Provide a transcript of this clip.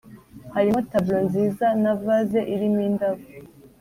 harimo tableau nziza na Vase irimo indabo